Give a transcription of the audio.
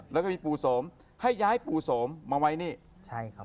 แล้วก็มีปุโสมให้ย้ายพุโสมมาไว้นี่